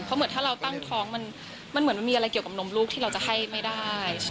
เพราะเหมือนถ้าเราตั้งท้องมันเหมือนมันมีอะไรเกี่ยวกับนมลูกที่เราจะให้ไม่ได้